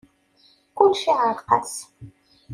Kulec iɛreq-as.